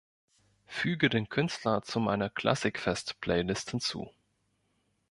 Füge den Künstler zu meiner Klassikfest-Playlist hinzu